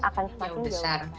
akan semakin besar